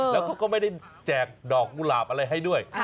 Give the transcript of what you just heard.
แล้วเขาก็ไม่ได้แจกดอกกุหลาบอะไรให้ด้วย